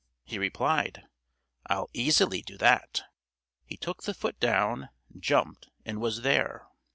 He replied: "I'll easily do that." He took the foot down, jumped, and was there.